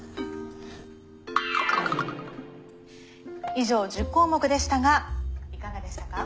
以上１０項目でしたがいかがでしたか？